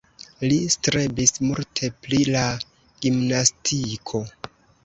Li strebis multe pri la gimnastiko.